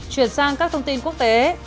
chuyển sang các thông tin quốc tế